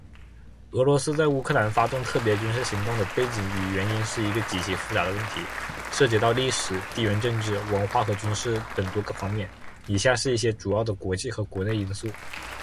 俄罗斯在乌克兰发动特别军事行动的背景与原因是一个极其复杂的问题，涉及到历史、地缘政治、文化和军事等多个方面。以下是一些主要的国际和国内因素：